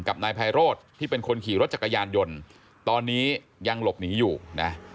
นายไพโรธที่เป็นคนขี่รถจักรยานยนต์ตอนนี้ยังหลบหนีอยู่นะ